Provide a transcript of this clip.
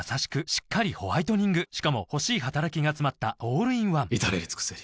しっかりホワイトニングしかも欲しい働きがつまったオールインワン至れり尽せり